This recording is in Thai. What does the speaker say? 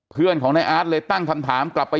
เพื่อนของนายอาร์ตเลยตั้งคำถามกลับไป